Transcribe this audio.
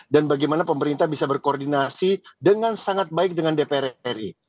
dan bagaimana pemerintah bisa berkoordinasi dengan sangat baik dengan dpr ri